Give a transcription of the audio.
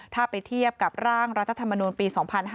ถ้าไปเทียบกับร่างรัฐธรรมนูลปี๒๕๕๙